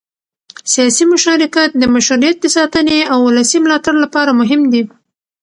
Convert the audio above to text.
سیاسي مشارکت د مشروعیت د ساتنې او ولسي ملاتړ لپاره مهم دی